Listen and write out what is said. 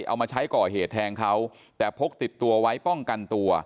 เอามาใช้ก่อเหตุแทงเขาแต่พกติดตัวไว้ป้องกันตัว